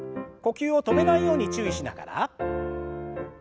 呼吸を止めないように注意しながら。